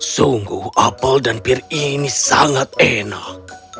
sungguh apel dan pir ini sangat enak